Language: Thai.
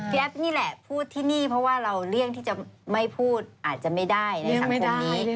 แอฟนี่แหละพูดที่นี่เพราะว่าเราเลี่ยงที่จะไม่พูดอาจจะไม่ได้ในสังคมนี้